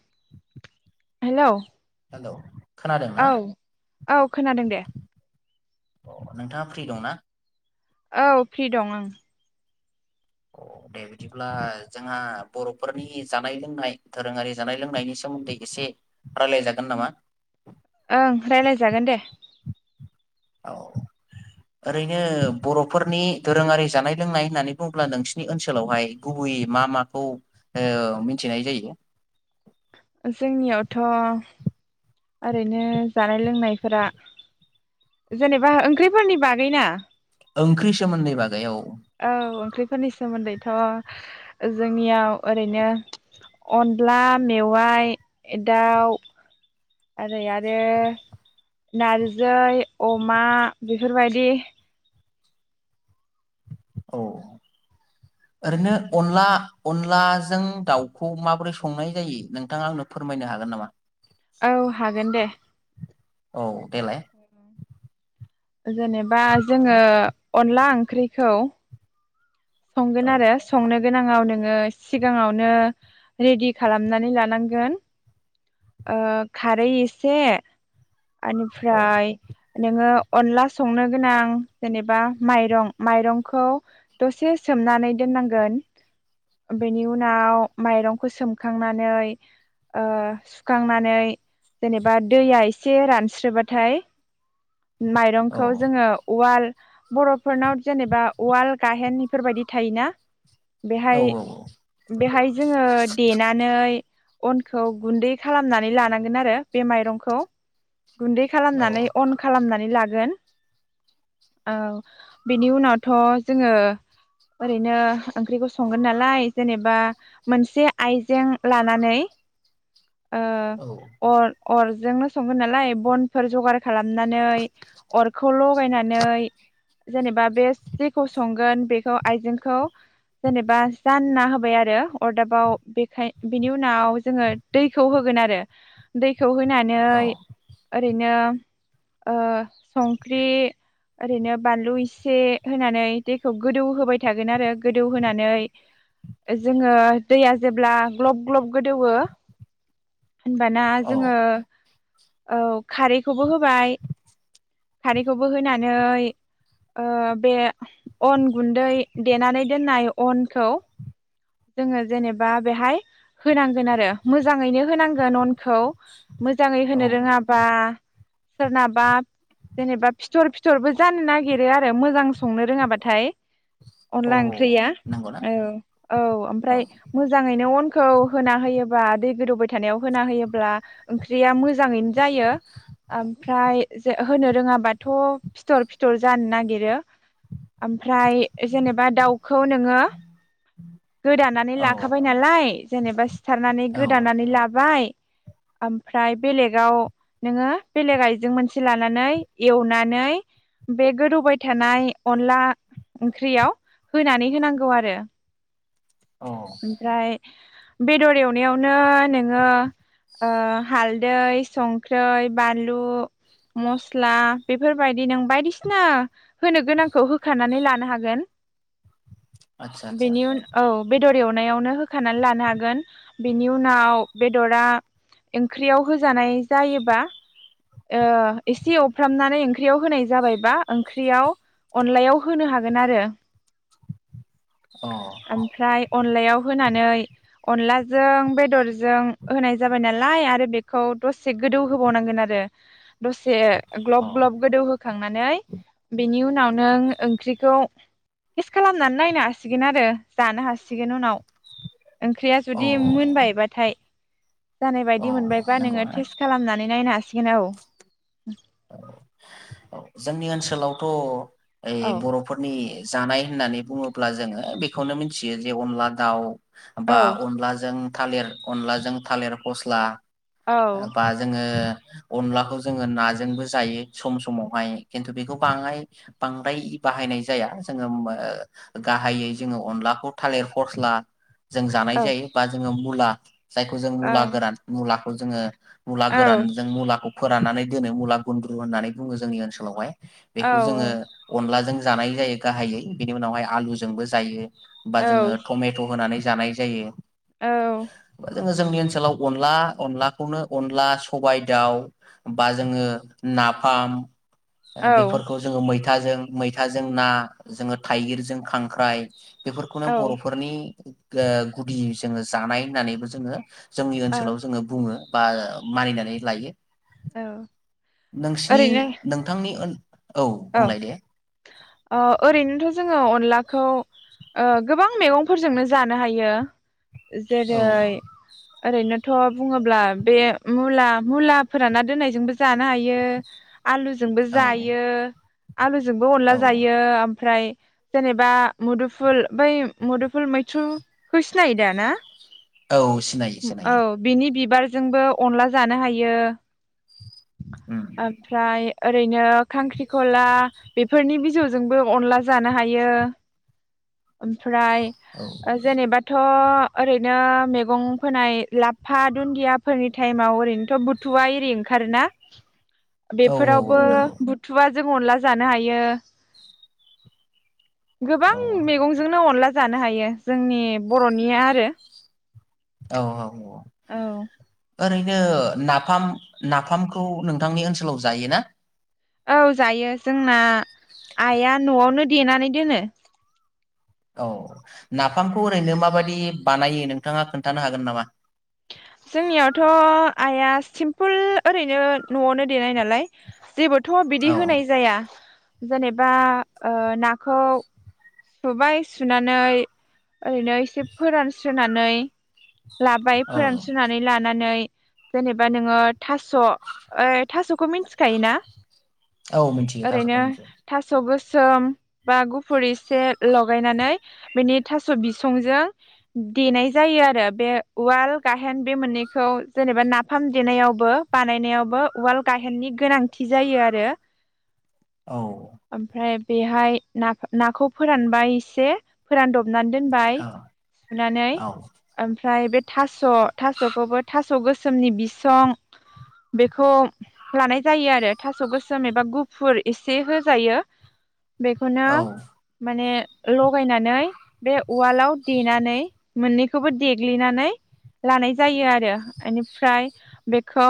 [inaudible] Hello hello खोनादोंना औ औ खोनादों दे। अ नोंथाङा फ्रि दंना? औ फ्रि दं आं। अ दे बिदिब्ला जोंहा बरफोरनि जानाय लोंनाय दोरोङारि जानाय लोंनायनि सोमोन्दै एसे रायलाय जागोन नामा? ओं रायलायजागोन दे। ओरैनो बरफोरनि दोरोङारि जानाय लोंनाय होननानै बुङोब्ला नोंसिनि ओनसोलावहाय गुबैयै मा माखौ ओ मिथिनाय जायो? जोंनियावथ ओरैनो जानाय लोंनायफोरा जेनेबा ओंख्रिफोरनि बागै ना? ओंख्रि सोमोन्दै बागै औ। औ ओंख्रिफोरनि सोमोन्दैथ जोंनियाव ओरैनो अनदला मेवाय दाव ओरै आरो नारजै अमा बेफोरबायदि ओरैनो अनला अनलाजों दाउखौ माबोरै संनाय जायो नोंथाङा आंनो फोरमायनो हागोन नामा? औ हागोन दे। औ देलाय। जेनेबा जोङो अनला ओंख्रिखौ संगोन औ आरो संनो? गोनाङाव नोङो सिगाङावनो रेडि खालामनानै लानांगोन ओ खारै एसे औ ओनिफ्राय नोङो अनला संनो गोनां जेनेबा माइरं माइरंखौ दसे सोमनानै दोननांगोन बेनि उनाव माइरंखौ सोमखांनानै ओ सुखांनानै जेनेबा दैया एसे रानस्रोबाथाय औ माइरंखौ जोङो उवाल बरफोरनाव जेनेबा उवाल गाहेननि फोरबायदि थायोना औ बेहाय बेहाय जोङो देनानै अनखौ गुन्दै खालामनानै लानांगोन आरो बे माइरंखौ। गुन्दै औ खालामनानै अन खालामनानै लाग गोन ओ बेनि उनावथ जोङो ओरैनो ओंख्रिखौ संगोन नालाय जेनेबा मोनसे आइजें लानानै औ औ ओ अर अरजोंनो संगोन नालाय बनफोर जगार खालामनानै अरखौ लगायनानै जेनेबा बे जेखौ संगोन बे खौ आइजेंखौ जेनेबा जानना होबाय आरो अरदाबाव बेखाय बिनि उनाव जोङो दैखौ होगोन आरो दै खौ होनानै औ ओरैनो ओ संख्रि ओरैनो बानलु इसे होनानै दैखौ गोदौ होबाय थागोन आरो गोदौहोनानै जोङो दैया जेब्ला ग्लब ग्लब गोदौवो होनबाना जोङो औ औ खारैखौबो होबाय खारैखौबो होनानै ओ बे अन गुन्दै देनानै दोननाय अनखौ जोङो जेनेबा बेहाय होनांगोन आरो मोजाङैनो होनांगोन अन खौ मोजाङै औ होनो रोङाबा सोरनाबा जेनेबा फिथर फिथरबो जानो नागिरो आरो मोजां संनो रोङा बाट थाय औ अनला ओंख्रिआ नंगौना औ औ ओमफ्राय मोजाङैनो अनखौ होना होयो बा दै गोदौबाय थानायाव होना होयोब्ला ओंख्रिया मोजाङैनो जायो आमफ्राय [unintelligible] होनो रोङाबाथ फिथर फिथर जानो नागिरो। ओमफ्राय जेनेबा दाउखौ नोङो गोदानानै औ लाखाबाय नालाय जेनेबा सारनानै औ गोदानानै लाबाय ओमफ्राय बेलेगाव नोङो बेलेग आइजें मोनसे लानानै एवनानै बे गोदौबाय थानाय अनला ओंख्रियाव होनानै होनांगौ आरो। औ ओमफ्राय बेदर एवनायावनो नोङो हालदै, संख्रै, बानलु, मस्ला बेफोरबायदि नों बायदिसिना होनो गोनांखौ होखारानानै लानो हागोन। आतसा आतसा। बेनि उन औ बेदर एवनायावनो होखानानै लानो हागोन बेनि उनाव बेदरा ओंख्रियाव होजानाय जायोबा ओ एसे एवफ्रामनानै ओंख्रियाव होनाय जाबायबा ओंख्रियाव अनलायाव होनो हागोन आरो। अ ओमफ्राय अनलायाव होनानै अनलाजों बेदरजों होनाय जाबाय नालाय आरो बेखौ दसे गोदौ होबावनांगोन आरो दसे अ ग्लब ग्लब गोदौ होखांनानै बेनि उनाव उनाव नों ओंख्रिखौ टेस खालामनानै नायनो हासिगोन आरो। दानो हासिगोन उनाव। ओंख्रिया औ जुदि मोनबायबाथाय जानाय औ बायदि मोनबायबा नोङो नंगौना टेस्ट खालामनानै नायनो हासि गेन औ [unintelligible] जोंनि ओनसोलावथ ओइ बरफोरनि जानाय होननानै बुङोब्ला जोङो बेखौनो मिथियो जे अनला दाउ बा औ अनलाजों थालिर अनलाजों थालिर फस्ला औ बा जोङो अनलाखौ जोङो ना जोंबो जायो सम समावहाय खिन्थु बेखौ बाङाय बांद्राय बाहायनाय जाया जोङो ओ गाहायै जोङो अनलाखौ थालिर फस्ला जों जानाय औ जायो बा जोङो मुला जायखौ जों मुला गोरान मुला खौ जोङो मुला औ गोरानजों मुलाखौ फोराननानै दोनो मुला गुन्द्रु होननानै बुङो जोंनि ओनसोलावहाय। औ बेखौ जोङो अनलाजों जानाय जायो गाहायै बिनि उनावहाय आलुजोंबो जायो। बा जोङो टमेट होनानै जानाय जायो। औ बा जोङो जोंनि ओनसोलाव अनला अनलाखौनो अनला सबाइ दाउ बा जोङो नाफाम औ बेफोरखौ जोङो मैथा थाजों मैथाजों ना जोङो थाइगिरजों खांख्राइ बेफोरखौनो औ बरफोरनि ओ गुदि जोङो जानाय होननानैबो जोङो जोंनि औ ओनसोलाव जोङो बुङो। बा मानिनानै लायो। औ नोंसिनि ओरैनो नोंथांनि ओन औ बुंलाय दे। अ ओरैनोथ‌ जोङो अनलाखौ ओ गोबां मैगंफोरजोंनो जानो हायो। औ जेरै ओरैनोथ बुङोब्ला बे मुला मुला फोरानना दोननायजोंबो जानो हायो। आलुजोंबो औ जायो आलुजोंबो अनला औ जायो आम ओमफ्राय जेनेबा मुदुफुल बै मुदुफुल मैथ्रुखौ सिनायो दा ना? औ सिनायो औ सिनायो बिनि बिबार जोंबो अनला जानो हायो। उम आरफ्राय ओरैनो खांख्रिखला बेफोरनि बिजौजोंबो अनला जानो हायो ओम ओमफ्राय औ ओ जेनेबाथ अ ओरैनो मैगं फोनाय लाफा दुन्दियाफोरनि टाइमाव ओरैनोथ बुथुवा एरि ओंखारोना औ औ बेफोरावबो औ नंगौ बुथुवा जों अनला जानो हायो। गोबां औ मेगंजोंनो अनला जानो हायो जोंनि बरनिया आरो औ औ [unintelligible] औ ओरैनो नाफाम-नाफामखौ नोंथांनि ओनसोलाव जायो ना? औ जायो जोंना आइया नआवनो देनानै दोनो। औ नाफामखौ ओरैनो माबाददि बानायो नोंथाङा खोन्थानो हागोन नामा? जोंनियावथ आइआ सिम्पोल ओरैनो नआवनो देनाय नालाय जेबोथ बिदि औ होनाय जाया। जेनेबा ओ नाखौ सुबाय सुनानै ओरैनो एसे फोरान थोनानै लाबाय औ फोरानसुनानै लानानै जेनेबा नोङो थास ऐ थासखौ मिन्थिखायो ना? औ मिथियो ओरैनो थारखौथ' मिथियो थास गोस सोम बा गुफुरिस एसे लगायनानै बेनि थास बिसंजों देनाय जायो आरो बे उवाल गाहेन बे मोननैखौ जेनेबा नाफाम देनायावबो बानायनायावबो उवाल गाहेननि गोनांथि जायो आरो। औ ओमफ्राय बेहाय ना-नाखौ। फोरानबाय एसे फोरानदब सुनानै दोनबाय औ सुनानै औ ओमफ्राय बे थास स थासखौबो थास गोसोम गोसोमनि बिसं बेखौ लानाय जायो आरो थास गोसोम एबा गुफुर एसे होजायो। बेखौनो माने लगायनानै [unintelligible] बे उवालाव देनानै मोननै बेखौबो देग्लिनानै लानाय जायो आरो आनिफ्राय बेखौ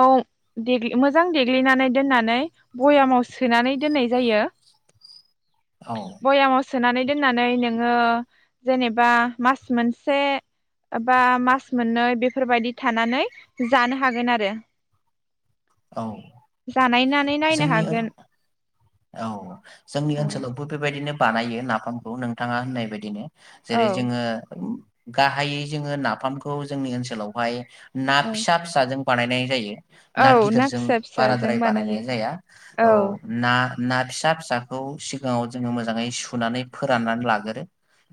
देग्लि मोजां देग्लिनानै दोननानै भयामाव सोनानै दोननाय जायो। औ बयामाव सोनानै दोननानै नोङो जेनेबा मास मोनसे बा मास मोननै बेफोरबादि थानानै जानो हागोन आरो। औ जानायनानै नायनो जोंनि ओन हागोन। औ जोंनि औ ओनसोलावबो बेबायदि बिदिनो बानायो नाफामखौ नोंथाङा होननाय बायदिनो। औ जेरै जोङो गाहायै जोङो नाफामखौ जोंनि ओनसोलावहाय ना औ फिसा फिसाजों बानायनाय जायो। ना औ गिदिरजों फिसा फिसाजों बाराद्राय बानायनाय बानायो जाया औ ना ना फिसा फिसाखौ सिगाङाव जोङो मोजाङै सुनानै फोराननानै लागोरो।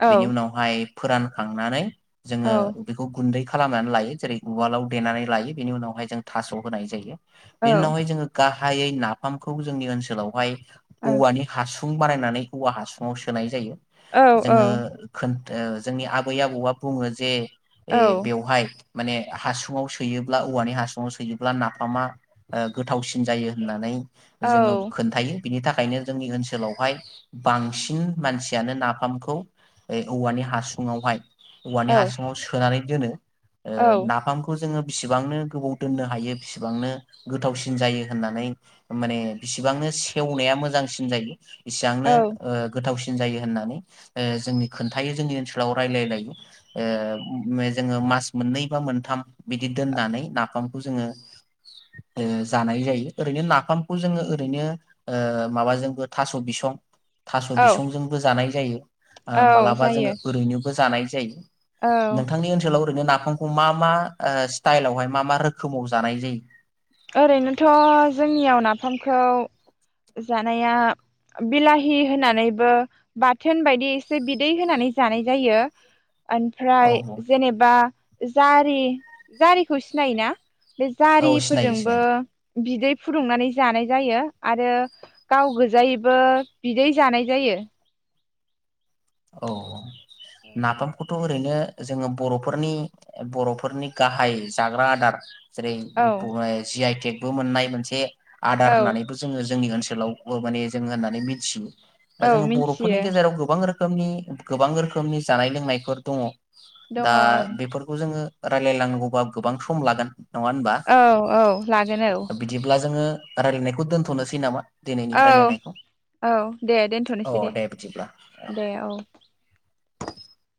औ बेनि उनावहाय फोरानखांनानै जोङो औ बेखौ गुन्दै खालाम खालामनानै लायो जेरै उवालाव देनानै लायो बेनि उनावहाय जों थास होनाय जायो। औ बिनि उनावहाय जोङो गाहा गाहायै नाफामखौ जोंनि ओनसोलावहाय औ औवानि हासुं फुं बानायनानै औवा हासुङाव सोनाय जायो। औ जोङो खो ओ जोंनि आबै आबौआ बुङो जे ए औ बेवहाय माने हासुङाव सोयोब्ला औवानि हासुङाव सोयोब्ला नाफामा गोथावसिन जायो होननानै औ जोङो खोन्थायो बिनि थाखायनो जोंनि ओनसोलावहाय बांसिन मानसियानो नाफामखौ औवानि हासुङावहाय औवानि औ हासुङाव सोनानै [unintelligible] ओ नाफामखौ जोङो बिसिबांनो गोबाव दोननो हायो बिसिबांनो गोथावसिन जायो होननानै माने बिसिबांनो खेवनाया मोजांसिन जायो। इसांनो औ ओ गोथावसिन जायो होननानै जोंनो खोन्थायो जोंनि ओनसोलाव रायलायलायो ओ जोङो मास मोननै बा मोनथाम बिदि दोननानै नाफामखौ जोङो ओ जानाय जायो ओरैनो नाफामखौ जोङो ओरैनो ओ माबाजोंबो थास' बिसं थास' औ बिसंजोंबो जानाय जायो। औ मालाबा जोङो जायो ओरैनो बो जानाय जायो। औ नोंथांनि ओनसोलाव ओरैनो ना नाफामखौ मा मा स्टाइलावहाय मा मा रोखोमाव जानाय जायो? ओरैनोथ' जोंनियाव नाफामखौ जानाया बिलाहि होनानैबो बाथोन बायदि एसे बिदै होनानै जानाय जायो। औ ओनफ्राय औ जेनेबा जारि जारिखौ सिनायोना? बि जारि औ सिनायो फोरजोंबो सिनायो बिदै फुदुंनानै जानाय जायो आरो गाव गोजायैबो बिदै जानाय जायो। औ नााफामखौथ' थ' ओरैनो जोङो बर'फोरनि बरफोरनि गाहाय जाग्रा आदार जेरै औ जि आइ टेग बो मोननाय मोनसे आदार औ होननानैबो जोङो जोंनि ओनसोलावबो माने जों होननानै मिथियो। बा औ जोङो बर'फोरनि मिथियो गेजेराव गोबां रोखोम रोखोमनि गोबां रोखोमनि जानाय लोंनायफोर दङ। दङ दा ओं बेफोरखौ जोङो रायलायनांगौबा गोबां सम लागोन। नङा होनबा औ औ लागोन औ। बिदिब्ला जोङो रायलायनायखौ दोनथ'नोसै नामा? दिनैनि औ रायलायनायखौ औ दे अ दोनथ'नोसै दे बिदिब्ला दे औ।